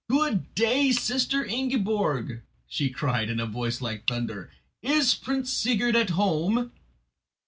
"Good day, Sister Ingiborg!" she cried, in a voice like thunder; "is Prince Sigurd at home?"